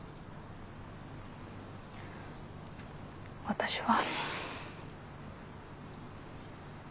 私は。